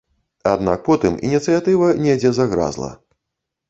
Аднак потым ініцыятыва недзе загразла.